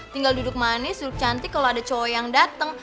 tinggal duduk manis duduk cantik kalau ada cowok yang datang